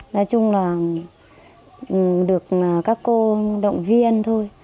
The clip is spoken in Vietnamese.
nói chung là được các cô động viên thôi